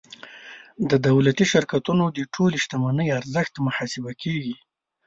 د دولتي شرکتونو د ټولې شتمنۍ ارزښت محاسبه کیږي.